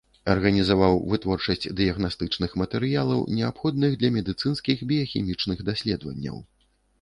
Арганізаваў вытворчасць дыягнастычных матэрыялаў, неабходных для медыцынскіх біяхімічных даследаванняў.